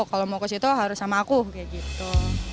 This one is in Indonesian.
kalau mau ke situ harus sama aku kayak gitu